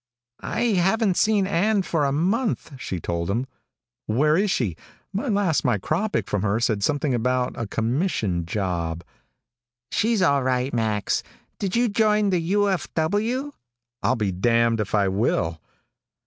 "I haven't seen Ann for a month," she told him. "Where is she? My last micropic from her said something about a commission job " "She's all right, Max. Did you join the U.F.W.?" "I'll be damned if I will."